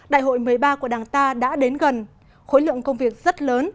đại hội một mươi ba của đảng ta đã đến gần khối lượng công việc rất lớn